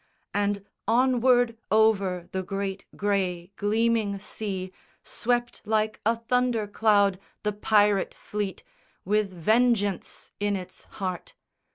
And onward over the great grey gleaming sea Swept like a thunder cloud the pirate fleet With vengeance in its heart.